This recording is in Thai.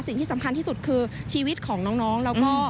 สิ่งที่สำคัญที่สุดคือชีวิตของน้องแล้วก็